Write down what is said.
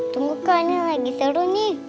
tunggu kak ini lagi seru nih